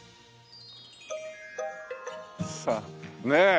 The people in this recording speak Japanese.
さあねえ